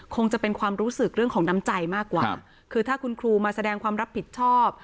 คงจะเป็นความรู้สึกเรื่องของน้ำใจมากกว่าคือถ้าคุณครูมาแสดงความรับผิดชอบ